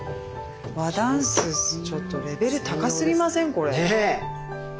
和ダンスちょっとレベル高すぎません？